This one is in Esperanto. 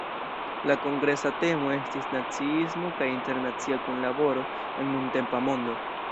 La kongresa temo estis "Naciismo kaj internacia kunlaboro en nuntempa mondo".